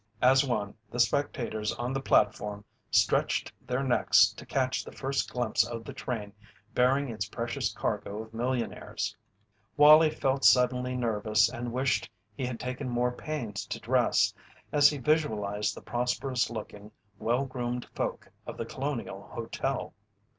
As one, the spectators on the platform stretched their necks to catch the first glimpse of the train bearing its precious cargo of millionaires. Wallie felt suddenly nervous and wished he had taken more pains to dress, as he visualized the prosperous looking, well groomed folk of The Colonial Hotel.